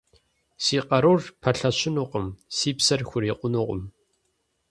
Си къарур пэлъэщынукъым, си псэр хурикъунукъым.